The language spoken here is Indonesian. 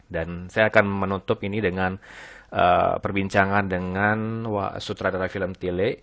dan saya akan menutup ini dengan perbincangan dengan sutradara film tile